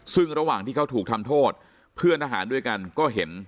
ซึ่งระหว่างที่เขาถูกทำโทษเพื่อนทหารด้วยกันก็เห็น